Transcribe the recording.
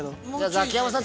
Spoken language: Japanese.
ザキヤマさん